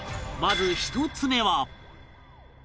まず１つ目は